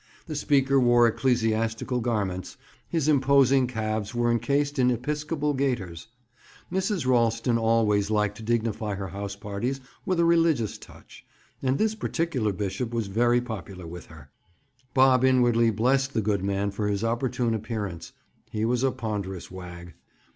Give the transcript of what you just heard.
The speaker wore ecclesiastical garments; his imposing calves were encased in episcopal gaiters. Mrs. Ralston always liked to dignify her house parties with a religious touch, and this particular bishop was very popular with her. Bob inwardly blessed the good man for his opportune appearance. He was a ponderous wag.